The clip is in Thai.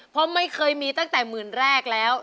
เพราะไม่เคยมีตั้งแต่หมื่นแรกแล้ว